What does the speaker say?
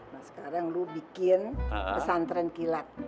nah sekarang lo bikin pesan tranquilat